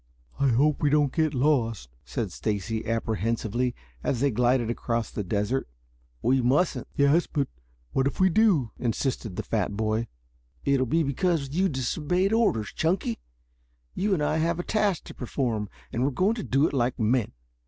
"I hope we don't get lost," said Stacy, apprehensively, as they glided across the desert. "We mustn't!" "Yes; but what if we do?" insisted the fat boy. "It will be because you disobeyed orders, Chunky. You and I have a task to perform, and we're going to do it like men.